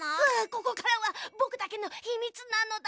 ここからはぼくだけのひみつなのだ！